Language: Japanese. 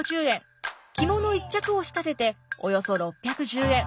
着物１着を仕立てておよそ６１０円。